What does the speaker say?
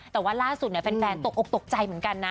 แต่ว่าล่าสุดแฟนตกออกตกใจเหมือนกันนะ